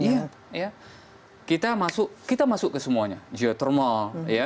iya kita masuk ke semuanya geothermal